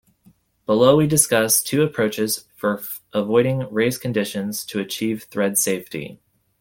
Below we discuss two approaches for avoiding race conditions to achieve thread safety.